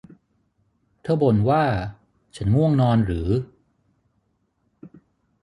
เธอบ่นว่า ฉันง่วงนอนหรือ